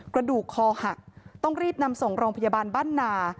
กระดูกคอหักต้องรีบนำส่งโรงพยาบาลบ้านนา